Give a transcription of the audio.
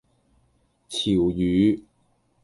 潮語